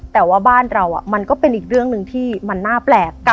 แต่ว่าบ้านเรามันก็เป็นอีกเรื่องหนึ่งที่มันน่าแปลก